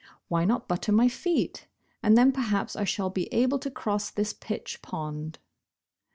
*'Why not butter my feet, and then perhaps I shall be able to cross this pitch pond."